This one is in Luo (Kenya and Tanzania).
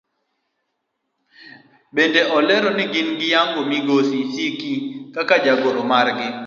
Bende olero ni gin giyango migosi Siki kaka jagoro margi.